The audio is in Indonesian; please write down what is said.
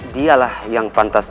dialah yang pantas